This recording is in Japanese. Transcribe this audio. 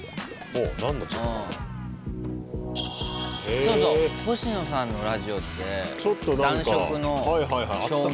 そうそう星野さんのラジオって暖色の照明。